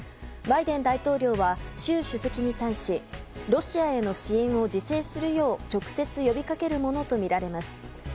バイデン大統領は習主席に対しロシアへの支援を自制するよう直接呼びかけるものとみられます。